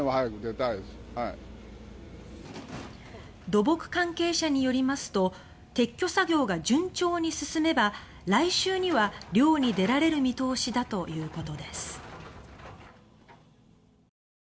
土木関係者によりますと撤去作業が順調に進めば来週には漁に出られる見通しだということです。